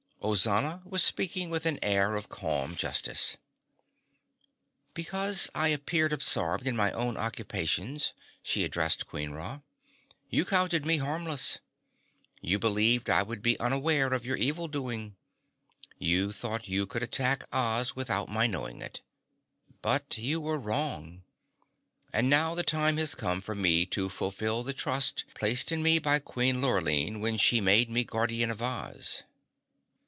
Ozana was speaking with an air of calm justice. "Because I appeared absorbed in my own occupations," she addressed Queen Ra, "you counted me harmless. You believed I would be unaware of your evil doing. You thought you could attack Oz without my knowing it. But you were wrong. And now the time has come for me to fulfill the trust placed in me by Queen Lurline when she made me Guardian of Oz.